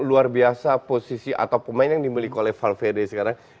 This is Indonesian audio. luar biasa posisi atau pemain yang dimiliki oleh valvede sekarang